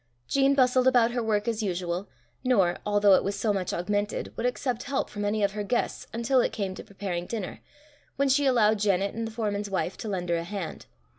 Jean bustled about her work as usual, nor, although it was so much augmented, would accept help from any of her guests until it came to preparing dinner, when she allowed Janet and the foreman's wife to lend her a hand.